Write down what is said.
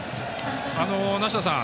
梨田さん